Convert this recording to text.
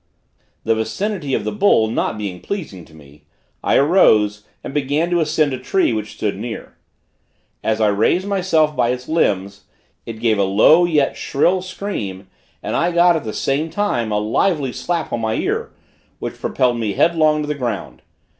The vicinity of the bull not being pleasing to me, I arose and began to ascend a tree which stood near. As I raised myself by its limbs, it gave a low, yet shrill scream, and I got at the same time a lively slap on my ear, which propelled me headlong to the ground.